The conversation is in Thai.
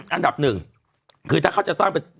อันดับหนึ่งคือถ้าเขาจะสร้างเป็น